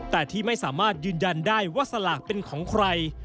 แต่ที่ไม่สามารถยืนยันได้ว่าสลากเป็นของใคร